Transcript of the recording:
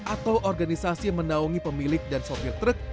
atau organisasi yang menaungi pemilik dan sopir truk